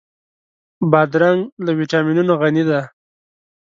بادرنګ له ويټامینونو غني دی.